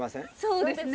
そうですね。